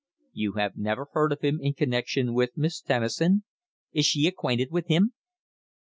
"You have never heard of him in connexion with Miss Tennison? Is she acquainted with him?"